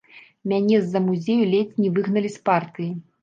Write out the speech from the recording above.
Мяне з-за музею ледзь не выгналі з партыі.